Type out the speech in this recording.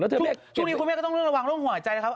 แล้วทุกที่คุณแม่คอนค์แม่จะต้องระวังโรคหัวใจนะครับ